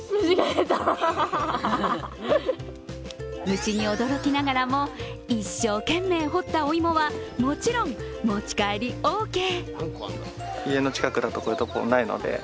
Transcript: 虫に驚きながらも一生懸命掘ったお芋はもちろん持ち帰りオーケー。